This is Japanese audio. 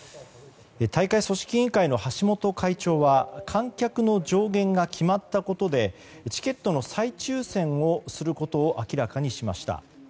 大会組織委員会の橋本会長は観客の上限が決まったことでチケットの再抽選をすることを明らかにしました。